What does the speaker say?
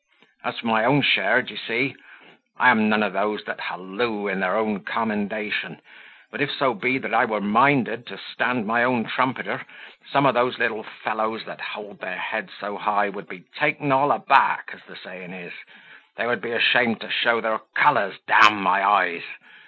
As for my own share, d'ye see, I am none of those that hallo in their own commendation: but if so be that I were minded to stand my own trumpeter, some of those little fellows that hold their heads so high would be taken all aback, as the saying is: they would be ashamed to show their colours, d my eyes!